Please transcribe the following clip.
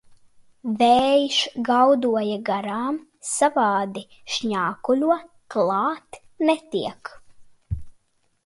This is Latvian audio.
Vējš gaudoja garām, savādi šņākuļo, klāt netiek.